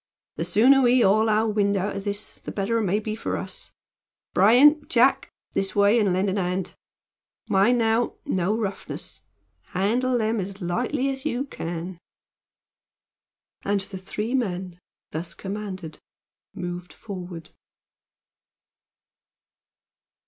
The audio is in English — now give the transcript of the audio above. "The sooner we haul our wind out o' this the better it may be for us. Bryan! Jack! This way, and lend a hand. Mind now, no roughness! Handle them as lightly as you can." And the three men, thus commanded, moved forward.